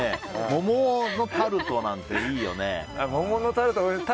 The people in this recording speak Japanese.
モモのタルトなんていいよね。